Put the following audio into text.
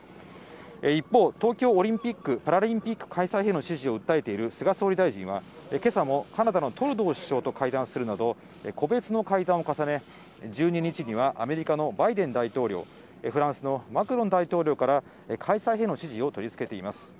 一方、東京オリンピック・パラリンピック開催への支持を訴えている菅総理大臣は、けさもカナダのトルドー首相と会談するなど、個別の会談を重ね、１２日にはアメリカのバイデン大統領、フランスのマクロン大統領から開催への支持を取り付けています。